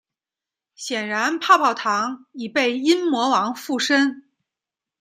显然泡泡糖已被阴魔王附身。